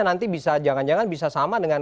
nanti bisa jangan jangan bisa sama dengan